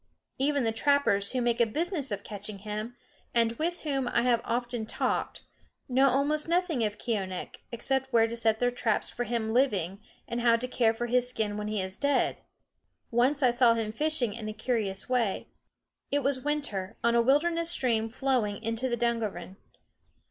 Even the trappers who make a business of catching him, and with whom I have often talked, know almost nothing of Keeonekh, except where to set their traps for him living and how to care for his skin when he is dead. Once I saw him fishing in a curious way. It was winter, on a wilderness stream flowing into the Dugarvon.